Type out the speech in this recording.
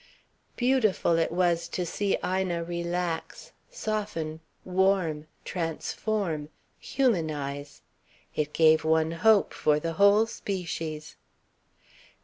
Beautiful it was to see Ina relax, soften, warm, transform, humanise. It gave one hope for the whole species.